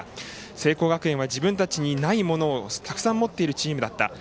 聖光学院は自分たちにないものをたくさん持っているチームだった。